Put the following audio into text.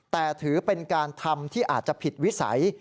แต่ถือเป็นการทำที่อาจจะผิดวิสัย